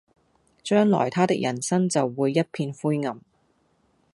將來他的人生就會一片灰暗